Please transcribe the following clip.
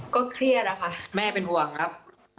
เครียดอะค่ะแม่เป็นห่วงครับ